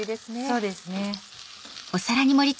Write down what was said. そうですね。